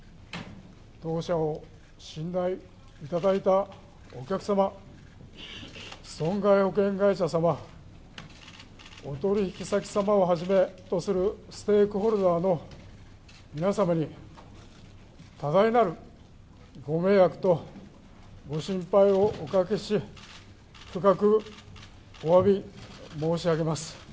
当社を信頼いただいたお客様、損害保険会社様、お取り引き先様をはじめとするステークホルダーの皆様に、多大なるご迷惑とご心配をおかけし、深くおわび申し上げます。